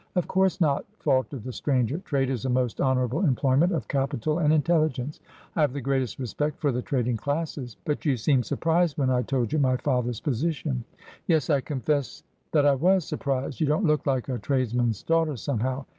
' Of course not,' faltered the stranger. ' Trade is a most honourable employment of capital and intelligence. I have the greatest respect for the trading classes — but ' 'But you seemed surprised when I told you my father's posi tion.' ' Yes ; I confess that I was surprised. You don't look like a tradesman's daughter, somehow.